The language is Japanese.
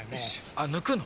あっぬくの？